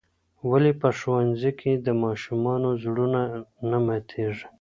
ولې په ښوونځي کې د ماشومانو زړونه نه ماتیږي؟